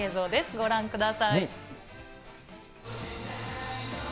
ご覧ください。